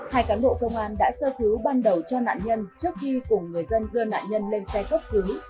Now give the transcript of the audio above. hai cán bộ công an đã sơ cứu ban đầu cho nạn nhân trước khi cùng người dân đưa nạn nhân lên xe cấp cứu